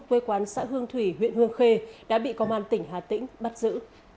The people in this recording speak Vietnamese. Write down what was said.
quê quán xã hương thủy huyện hương khê đã bị công an tỉnh hà tĩnh bắt giữ